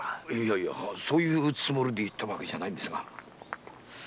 いやそういうつもりで言ったわけじゃないんですが。